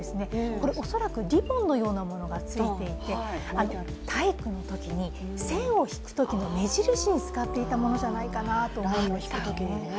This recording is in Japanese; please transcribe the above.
これは恐らくリボンのようなものがついていて、体育のときに、線を引くときの目印に使っていたんじゃないかと思うんですね。